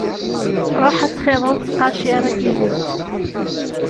Ruḥ ad txiḍeḍ ttqacir i tizit.